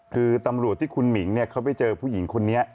คือตำรวจที่คุณหมิงเขาไปเจอผู้หญิงคนนี้